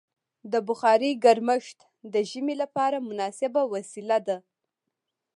د بخارۍ ګرمښت د ژمي لپاره مناسبه وسیله ده.